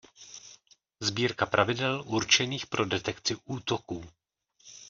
Sbírka pravidel určených pro detekci útoků.